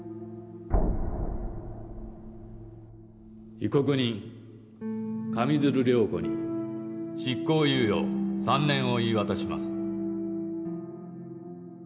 ・被告人上水流涼子に執行猶予３年を言い渡します。